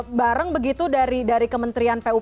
duduk bareng begitu dari dari kementrian pub ya ya